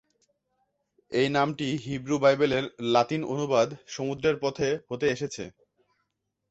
এই নামটি হিব্রু বাইবেলের লাতিন অনুবাদ "সমুদ্রের পথে" হতে এসেছে।